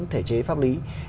thể chế pháp lý